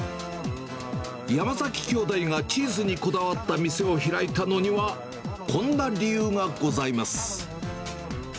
山崎兄弟がチーズにこだわった店を開いたのには、こんな理由がございます。